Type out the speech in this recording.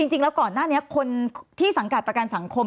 จริงแล้วก่อนหน้านี้คนที่สังกัดประกันสังคม